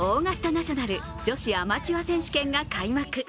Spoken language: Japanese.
ナショナル女子アマチュア選手権が開幕。